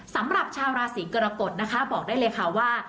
สำหรับชาวราศีกรกฎนะคะบอกได้เลยค่ะว่า